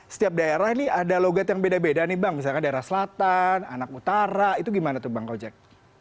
setiap daerah ini ada logat yang beda beda nih bang misalkan daerah selatan anak utara itu gimana tuh bang kojek